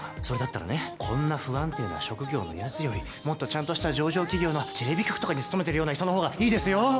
それだったらねこんな不安定な職業のヤツよりもっとちゃんとした上場企業のテレビ局とかに勤めてるような人のほうがいいですよ！